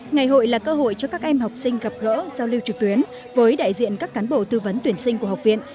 ngày hội là cơ hội cho các em học sinh gặp gỡ giao lưu trực tuyến với đại diện các cán bộ tư vấn tuyển sinh của học viện